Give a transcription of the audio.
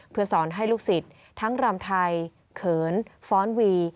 เพื่อสอนให้ลูกศิษย์ทั้งรำไทยเขินฟ้อนวี